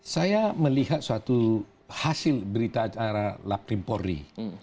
saya melihat suatu hasil berita acara lapkrim pori